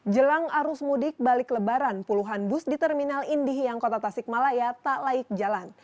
jelang arus mudik balik lebaran puluhan bus di terminal indih yang kota tasikmalaya tak laik jalan